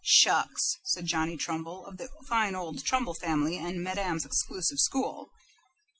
"Shucks!" said Johnny Trumbull, of the fine old Trumbull family and Madame's exclusive school.